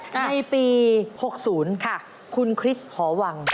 ในปี๖๐ค่ะคุณคริสต์หอวัง